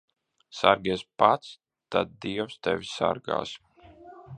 Sargies pats, tad dievs tevi sargās.